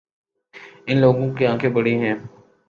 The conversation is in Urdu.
اِن لوگوں کی آنکھیں بڑی ہیں